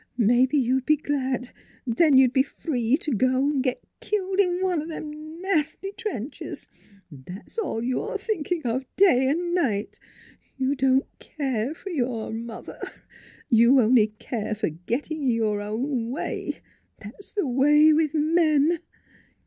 " Maybe you'd be glad. Then you'd be free to go an' get killed in one o' them nasty trenches. ... That's all you're thinking of day an' night. You don't care for your mother. You only care for getting your own way. That's the way with men."